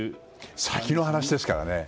先の話ですからね。